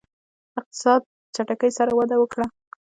اقتصاد په چټکۍ سره وده وکړه.